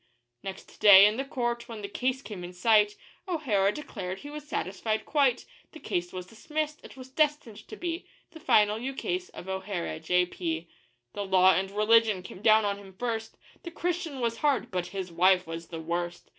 Next day, in the court, when the case came in sight, O'Hara declared he was satisfied quite; The case was dismissed it was destined to be The final ukase of O'Hara, J.P. The law and religion came down on him first The Christian was hard but his wife was the worst!